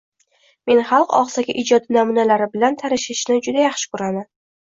Men xalq ogʻzaki ijodi namunalari bilan tanishishni juda yaxshi koʻraman.